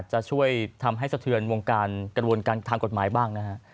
จะช่วยทำให้สะเทือนวงการกระบวนการทางกฎหมายบ้างนะฮะ